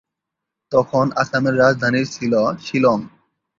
তখন আসামের রাজধানী ছিল শিলং।